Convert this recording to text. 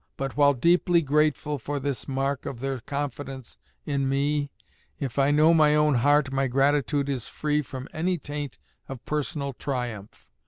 But while deeply grateful for this mark of their confidence in me, if I know my own heart my gratitude is free from any taint of personal triumph.